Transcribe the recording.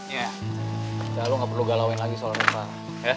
ya lo gak perlu galauin lagi soalnya kepala